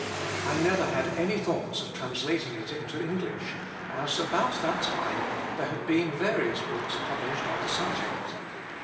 I never had any thoughts of translating it into English, as about that time there had been various books published on the subject.